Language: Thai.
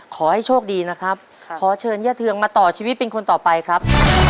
ขอให้โชคดีนะครับขอเชิญย่าเทืองมาต่อชีวิตเป็นคนต่อไปครับ